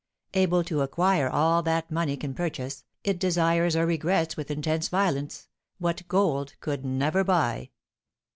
Able to acquire all that money can purchase, it desires or regrets with intense violence "What gold could never buy."